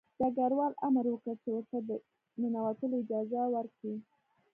ډګروال امر وکړ چې ورته د ننوتلو اجازه ورکړي